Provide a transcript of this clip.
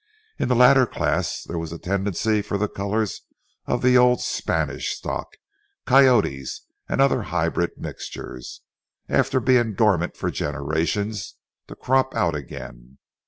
In the latter class there was a tendency for the colors of the old Spanish stock,—coyotes, and other hybrid mixtures,—after being dormant for generations, to crop out again.